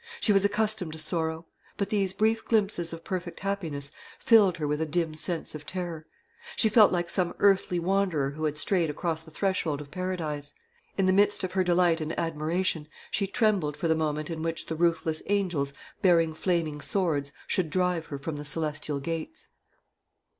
She was accustomed to sorrow; but these brief glimpses of perfect happiness filled her with a dim sense of terror. She felt like some earthly wanderer who had strayed across the threshold of Paradise. In the midst of her delight and admiration, she trembled for the moment in which the ruthless angels, bearing flaming swords, should drive her from the celestial gates.